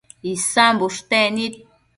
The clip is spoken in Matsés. Isan bushtec nid